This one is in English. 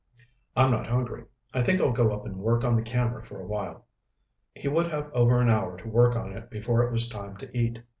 "I'm not hungry. I think I'll go up and work on the camera for a while." He would have over an hour to work on it before it was time to eat.